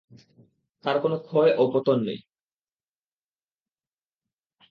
তার কোন ক্ষয় ও পতন নেই।